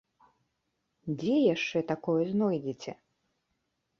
Дзе яшчэ такое знойдзеце?